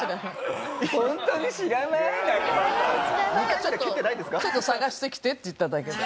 「１回ちょっとちょっと探してきて」って言っただけで。